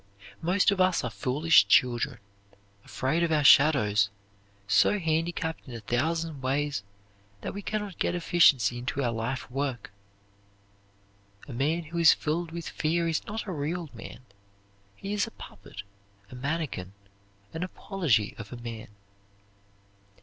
Most of us are foolish children, afraid of our shadows, so handicapped in a thousand ways that we can not get efficiency into our life work. A man who is filled with fear is not a real man. He is a puppet, a mannikin, an apology of a man.